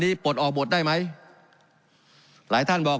การปรับปรุงทางพื้นฐานสนามบิน